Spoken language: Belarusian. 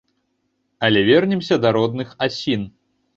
Але вернемся да родных асін.